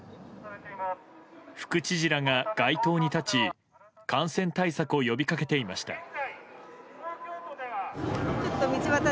副知事らが街頭に立ち感染対策を呼び掛けていました。